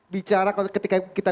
bicara ketika kita